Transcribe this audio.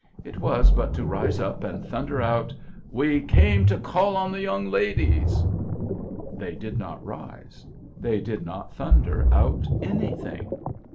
It was but to rise up and thunder out, "We came to call on the young ladies." They did not rise. They did not thunder out anything.